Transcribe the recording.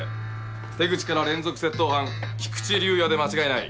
手口から連続窃盗犯菊池竜哉で間違いない。